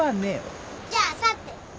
じゃああさって。